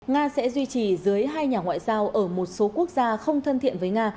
nga sẽ duy trì dưới hai nhà ngoại giao ở một số quốc gia không thân thiện với nga